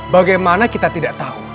bagaimana kita tidak tahu